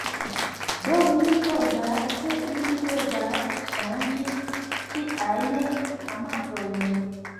Do, mi supozas ke ili devas ŝanĝi siajn amatojn.